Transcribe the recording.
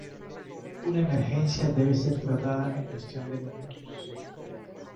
Una emergencia debe ser tratada en cuestión de minutos.